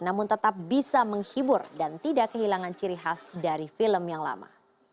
namun tetap bisa menghibur dan tidak kehilangan ciri khas dari film yang lama